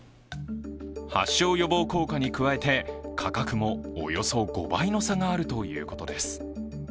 発症予防効果に加えて価格もおよそ５倍の差があるということです。